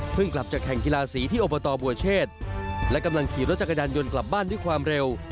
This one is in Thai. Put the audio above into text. กลับจากแข่งกีฬาสีที่อบตบัวเชษและกำลังขี่รถจักรยานยนต์กลับบ้านด้วยความเร็ว